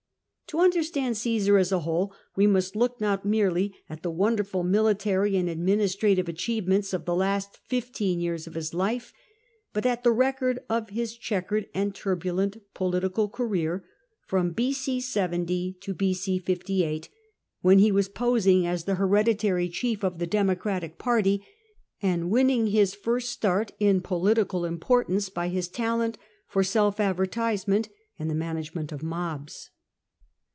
To understand CEOsar as a whole, we must look not merely at the wonderful military and administrative achievements of the last fifteen yeans of his life, but at the record of his chequered and turbulent political career from B.c. 70 to n.c. 58, when ho was posing as the hereditary chief of the Dmuocratic party, ami winning his first start in political importance by his talent for self advertisement and the management of mobs.